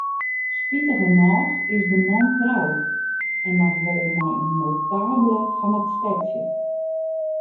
Spitigernôch is de man troud, en noch wol mei in notabele fan it stedsje.